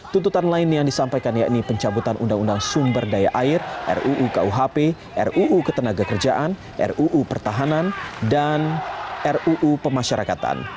tuntutan lain yang disampaikan yakni pencabutan undang undang sumber daya air ruu kuhp ruu ketenaga kerjaan ruu pertahanan dan ruu pemasyarakatan